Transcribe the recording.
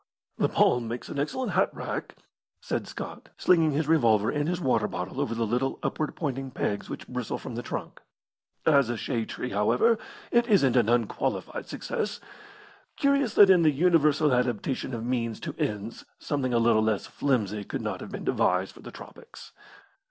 "The palm makes an excellent hat rack," said Scott, slinging his revolver and his water bottle over the little upward pointing pegs which bristle from the trunk. "As a shade tree, however, it isn't an unqualified success. Curious that in the universal adaptation of means to ends something a little less flimsy could not have been devised for the tropics."